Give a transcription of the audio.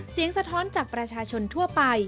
สะท้อนจากประชาชนทั่วไป